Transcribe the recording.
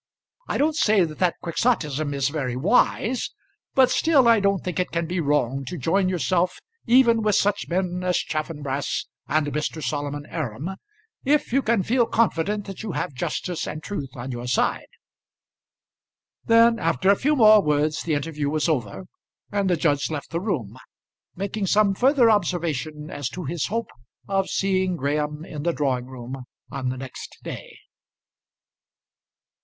I don't say that that Quixotism is very wise; but still I don't think it can be wrong to join yourself even with such men as Chaffanbrass and Mr. Solomon Aram, if you can feel confident that you have justice and truth on your side." Then after a few more words the interview was over, and the judge left the room making some further observation as to his hope of seeing Graham in the drawing room on the next day.